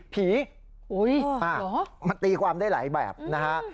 ผีโอ้ยอะไรหรอมาตีความได้หลายแบบนะฮะ